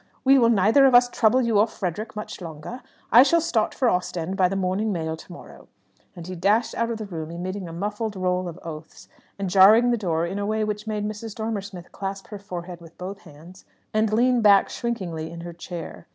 We will neither of us trouble you or Frederick much longer. I shall start for Ostend by the morning mail to morrow." And he dashed out of the room emitting a muffled roll of oaths, and jarring the door in a way which made Mrs. Dormer Smith clasp her forehead with both hands, and lean back shrinkingly in her chair.